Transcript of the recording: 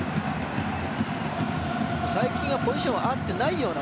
最近はポジションがあってないような